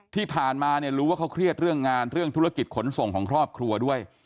ที่ผ่านมาเนี่ยรู้ว่าเขาเครียดเรื่องงานเรื่องธุรกิจขนส่งของครอบครัวด้วย